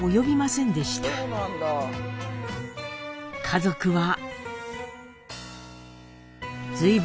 家族は。